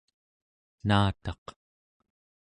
naataq¹